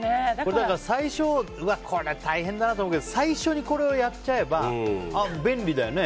最初、これ大変だと思うけど最初にこれをやっちゃえば便利だよね。